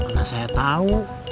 karena saya tahu